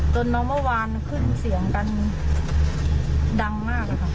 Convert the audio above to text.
จนน้องเมื่อวานขึ้นเสียงกันดังมาก